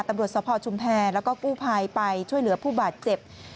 ตำรวจสภชุมแพรแล้วก็กู้ภัยไปช่วยเหลือผู้บาดเจ็บ